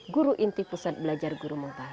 guru inti pusat belajar guru mumpah